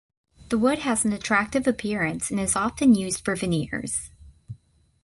The wood has an attractive appearance and is often used for veneers.